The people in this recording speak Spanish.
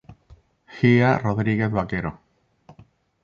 Gia Rodríguez Vaquero.